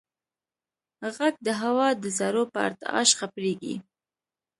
غږ د هوا د ذرّو په ارتعاش خپرېږي.